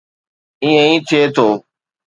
ائين ئي ٿئي ٿو.